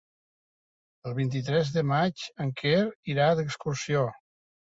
El vint-i-tres de maig en Quel irà d'excursió.